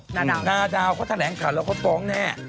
หน้าดาวค่ะหน้าดาวก็แถลงค่ะแล้วก็ตรงแน่